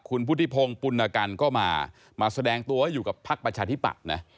คุณพุทธิพงศ์ปุณกันก็มามาแสดงตัวอยู่กับพักประชาธิปัตย์นะ